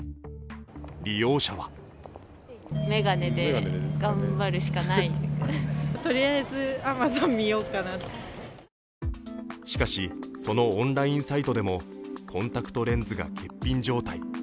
利用者はしかし、そのオンラインサイトでも、コンタクトレンズが欠品状態。